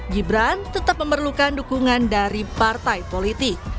gibran tetap memerlukan dukungan dari partai politik